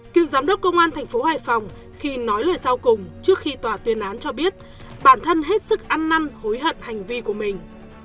cựu giám đốc công an thành phố hải phòng khi nói lời sau cùng trước khi tòa tuyên án cho biết bản thân hết sức ăn năn hối hận hành vi của mình